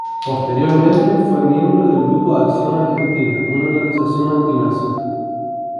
Posteriormente fue miembro del grupo Acción Argentina, una organización antinazi.